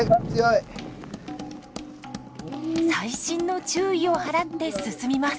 細心の注意を払って進みます。